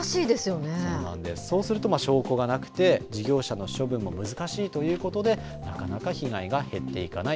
そうすると証拠がなくて事業者の処分も難しいということでなかなか被害が減っていかない。